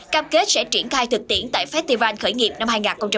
cam kết sẽ triển khai thực tiễn tại festival khởi nghiệp năm hai nghìn hai mươi